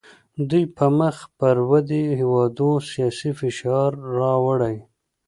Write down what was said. دوی په مخ پر ودې هیوادونو سیاسي فشار راوړي